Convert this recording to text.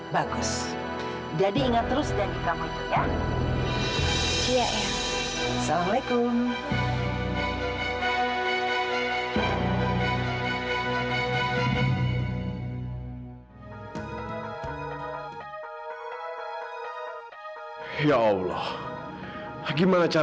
bagus jadi ingat terus janji kamu itu ya